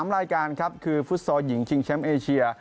๓รายการครับคือฟุตซอลหญิงชิงแชมป์เอเชีย